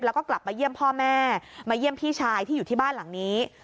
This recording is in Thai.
แล้วก็กลับมาเยี่ยมพ่อแม่มาเยี่ยมพี่ชายที่อยู่ที่บ้านหลังนี้